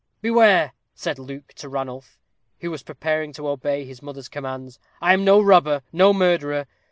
"Beware!" said Luke to Ranulph, who was preparing to obey his mother's commands; "I am no robber no murderer.